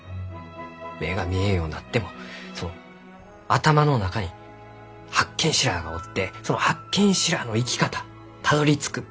目が見えんようになってもその頭の中に八犬士らあがおってその八犬士らあの生き方たどりつく場所